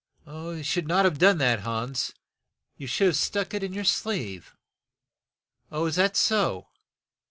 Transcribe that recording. "You should not have done that, Hans ; you should have stuck it in your sleeve. "Is that so?